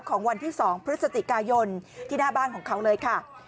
ของวันที่๒พฤศจิกายนที่หน้าบ้านของเขาเลยค่ะ